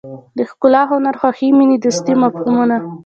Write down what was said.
د ښکلا هنر خوښۍ مینې دوستۍ مفهومونه.